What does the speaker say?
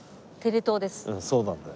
そうなんだよ。